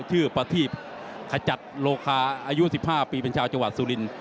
ประทีพขจัดโลกาอายุ๑๕ปีเป็นชาวจังหวัดสุริน